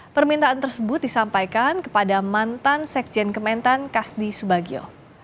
permintaan tersebut disampaikan kepada mantan sekjen kementan kasdi subagio